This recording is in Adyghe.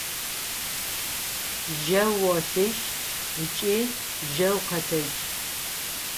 Жьэу гъолъыжь ыкӏи жьэу къэтэдж!